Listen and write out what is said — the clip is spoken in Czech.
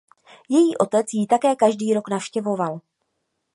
Její otec ji také každý rok navštěvoval.